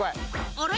「あれ？